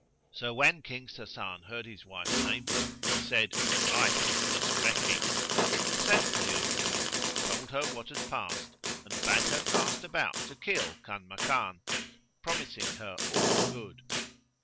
So when King Sasan heard his wife name her, he said, "Right is this recking"; and, sending for the old woman, told her what had passed and bade her cast about to kill Kanmaken, promising her all good.